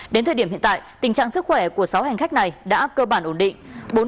đến thời điểm hiện tại tình trạng sức khỏe của sáu hành khách này đã cơ bản ổn định